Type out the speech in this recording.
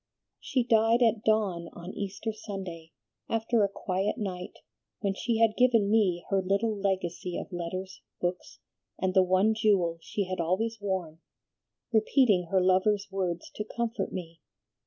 "She died at dawn on Easter Sunday, after a quiet night, when she had given me her little legacy of letters, books, and the one jewel she had always worn, repeating her lover's words to comfort me.